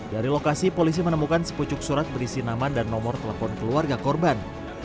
dari lokasi polisi menemukan sepucuk surat berisi nama dan nomor telepon keluarga korban